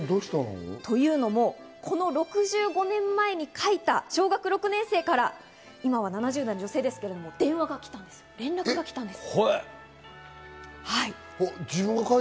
というのも、この６５年前に書いた小学６年生から今は７０代の女性ですけれども電話が来たんです。